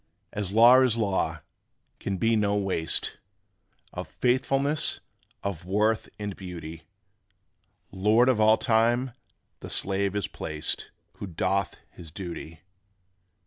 As law is law, can be no waste Of faithfulness, of worth and beauty; Lord of all time the slave is placed Who doth his duty.